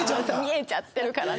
見えちゃってるからね。